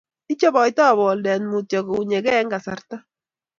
Ichabaitoi boldet mutyo kounyekei eng kasarta